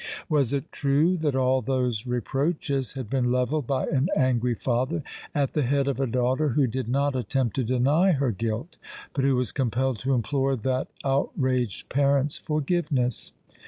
Was it true that all those reproaches had been levelled by an angry father at the head of a daughter who did not attempt to deny her guilt, but who was compelled to implore that outraged parent's forgiveness?